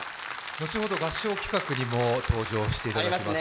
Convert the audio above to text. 後ほど合唱企画にも登場していただきます。